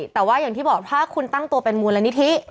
แต่ว่าอย่างที่บอกถ้าคุณตั้งตัวเป็นมูลนิธิ